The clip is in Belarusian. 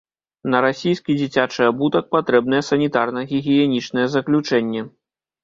На расійскі дзіцячы абутак патрэбнае санітарна-гігіенічнае заключэнне.